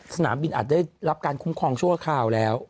สนามบินอาจได้รับการคุ้มครองชั่วคราวแล้ว